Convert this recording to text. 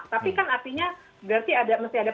tapi kan artinya berarti mesti ada